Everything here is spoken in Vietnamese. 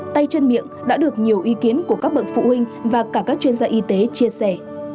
tay chân miệng đã được nhiều ý kiến của các bậc phụ huynh và cả các chuyên gia y tế chia sẻ